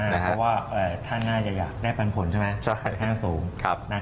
เพราะว่าท่านน่าจะอยากได้ปันผลใช่ไหมค่าสูง